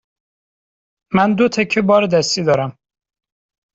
من دو تکه بار دستی دارم.